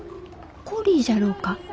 コリーじゃろうか？